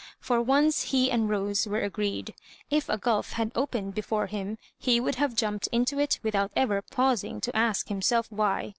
For once he and Rose were agreed. If a gulf had opened before him, he would have jumped into it without ever pausing to ask himself why.